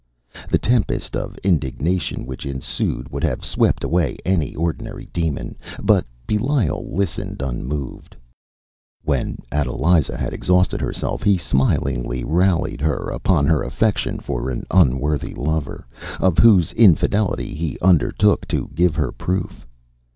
The tempest of indignation which ensued would have swept away any ordinary demon, but Belial listened unmoved. When Adeliza had exhausted herself he smilingly rallied her upon her affection for an unworthy lover, of whose infidelity he undertook to give her proof.